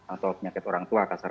atau penyakit orang tua